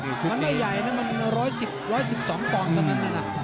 มันไม่ใหญ่เนี่ยมันร้อยสิบร้อยสิบสองกล่องเท่านั้นเนี่ยนะ